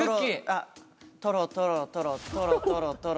あっトロトロトロトロトロトロトロ。